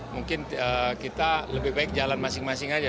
mungkin kita lebih baik jalan masing masing aja